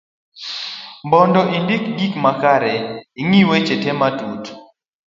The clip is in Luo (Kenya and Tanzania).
mondo indik gik makare,i ng'i weche te matut